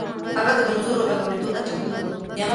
هغه د کمزورو غږ اورېدو ته چمتو و.